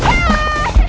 kadao fin semangat